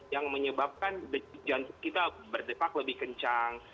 yang menyebabkan jantung kita berdepak lebih kencang